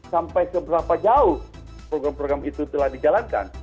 sampai seberapa jauh program program itu telah dijalankan